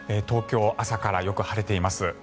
東京、朝からよく晴れています。